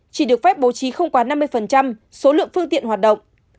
chỉ được phép bố trí không quá năm mươi số lượng phương tiện hoạt động